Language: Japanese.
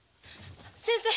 先生！